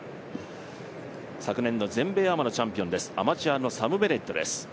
昨年の全米アマのチャンピオンです、サム・ベネットです。